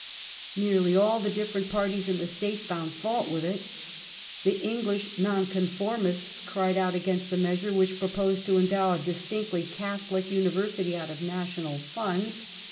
Nearly all the different parties in the State found fault with it. The English Nonconformists cried out against the measure \yhich proposed to endow a distinctly Catholic university out of national funds.